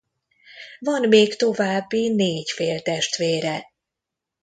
Van még további négy féltestvére.